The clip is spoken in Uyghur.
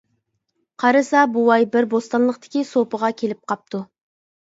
قارىسا بوۋاي بىر بوستانلىقتىكى سۇپىغا كېلىپ قاپتۇ.